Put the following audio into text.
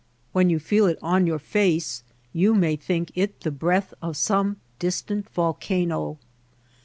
When you feel it on your face you may think it the breath of some distant volcano.